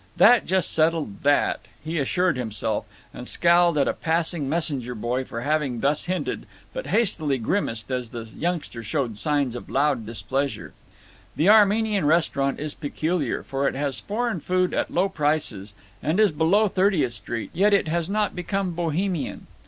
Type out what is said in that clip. That just settled that, he assured himself, and scowled at a passing messenger boy for having thus hinted, but hastily grimaced as the youngster showed signs of loud displeasure. The Armenian restaurant is peculiar, for it has foreign food at low prices, and is below Thirtieth Street, yet it has not become Bohemian.